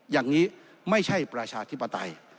อย่างนี้ไม่ใช่ประชาธิปไตย